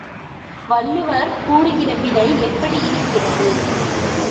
வள்ளுவர் கூறுகிற விடை எப்படி இருக்கிறது?